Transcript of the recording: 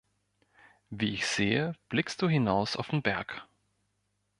Wie ich sehe, blickst du hinaus auf den Berg.